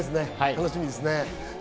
楽しみですね。